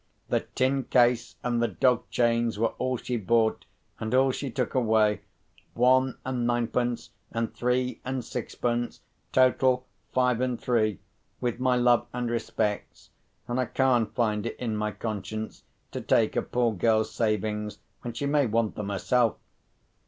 "The tin case and the dog chains were all she bought, and all she took away. One and ninepence and three and sixpence—total, five and three. With my love and respects—and I can't find it in my conscience to take a poor girl's savings, when she may want them herself."